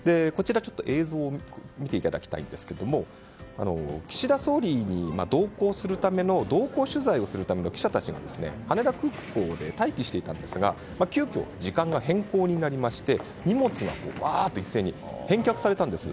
映像を見ていただきたいんですが岸田総理に同行取材をするための記者たちが羽田空港で待機していたんですが急きょ、時間が変更になりまして荷物がばーっと一斉に返却されたんです。